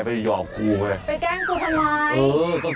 เด็กอยู่เยอะไง